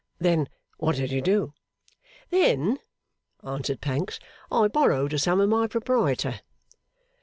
Then, what did you do?' 'Then,' answered Pancks, 'I borrowed a sum of my proprietor.